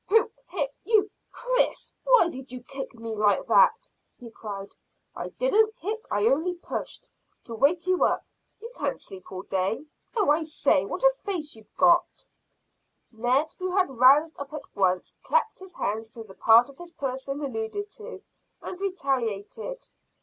"Who Here, you, Chris, why did you kick me like that?" he cried. "I didn't kick, only pushed. To wake you up. You can't sleep all day. Oh, I say, what a face you've got!" Ned, who had roused up at once, clapped his hands to the part of his person alluded to, and retaliated.